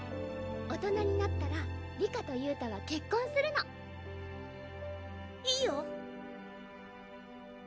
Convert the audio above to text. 大人になったら里香と憂太は結婚するのいいよ